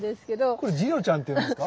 これジロちゃんって言うんですか？